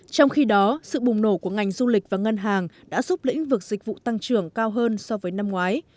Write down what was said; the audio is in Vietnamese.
trong khi đó sự bùng nổ của ngành du lịch và ngân hàng đã giúp lĩnh vực dịch vụ tăng trưởng cao hơn so với năm ngoái